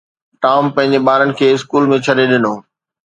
Tom پنهنجي ٻارن کي اسڪول ۾ ڇڏي ڏنو.